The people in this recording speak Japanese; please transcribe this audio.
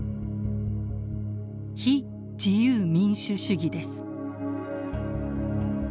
非自由民主主義です。